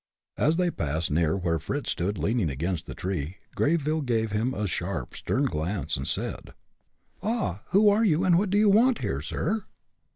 As they passed near where Fritz stood leaning against the tree, Greyville gave him a sharp, stern glance, and said: "Ah! who are you, and what do you want here, sir?"